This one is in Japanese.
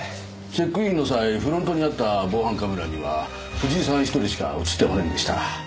チェックインの際フロントにあった防犯カメラには藤井さん１人しか映ってませんでした。